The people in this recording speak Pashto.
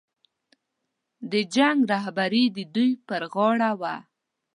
د جنګ رهبري د دوی پر غاړه وه.